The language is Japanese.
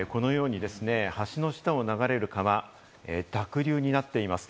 橋の下を流れる川、濁流になっています。